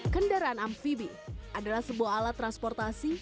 kendaraan amphibie adalah sebuah alat transportasi